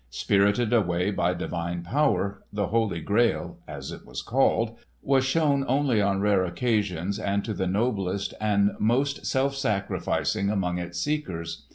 Spirited away by divine power, the Holy Grail—as it was called—was shown only on rare occasions and to the noblest and most self sacrificing among its seekers.